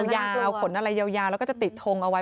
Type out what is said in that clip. ยาวขนอะไรยาวแล้วก็จะติดทงเอาไว้